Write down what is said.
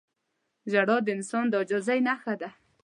• ژړا د انسان د عاجزۍ نښه ده.